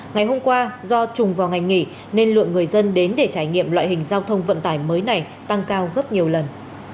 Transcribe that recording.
ngày hôm qua do trùng vào ngày nghỉ nên lượng người dân đến để trải nghiệm loại hình giao thông vận tải mới này tăng cao gấp nhiều lần